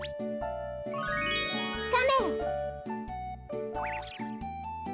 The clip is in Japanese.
かめ！